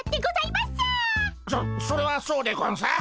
そそれはそうでゴンス。